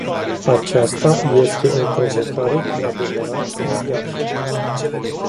Aceasta este o provocare cu adevărat uriașă.